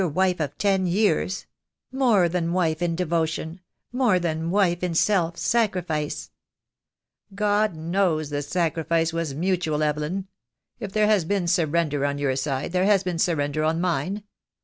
2 17 wife of ten years — more than wife in devotion, more than wife in self sacrifice " "God knows the sacrifice was mutual, Evelyn. If there has been surrender on your side there has been surrender on mine.